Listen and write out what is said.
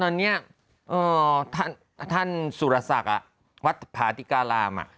ตอนนี้ท่านสุรษักริมวัฒนภาษาอาทิการาม